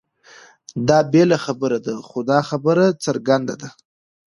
دا بېله خبره ده؛ خو دا خبره څرګنده ده،